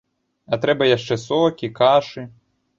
А трэба яшчэ сокі, кашы.